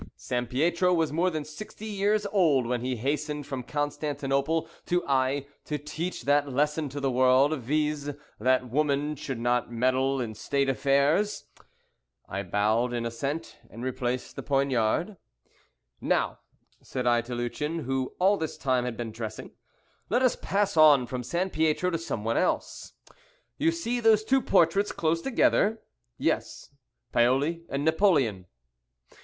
"Sampietro was more than sixty years old when he hastened from Constantinople to Aix to teach that lesson to the world, viz., that women should not meddle in state affairs." I bowed in assent, and replaced the poignard. "Now," said I to Lucien, who all this time had been dressing, "let us pass on from Sampietro to some one else." "You see those two portraits close together?" "Yes, Paoli and Napoleon."